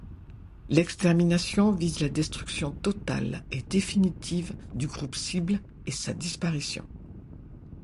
L'extermination vise la destruction totale et définitive du groupe-cible et sa disparition.